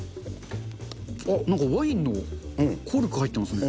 あっ、なんかワインのコルク入ってますね。